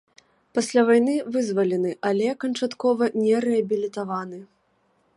Пасля вайны вызвалены, але канчаткова не рэабілітаваны.